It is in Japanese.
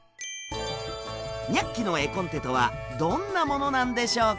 「ニャッキ！」の絵コンテとはどんなものなんでしょうか？